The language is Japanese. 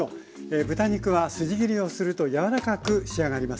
豚肉は筋切りをするとやわらかく仕上がります。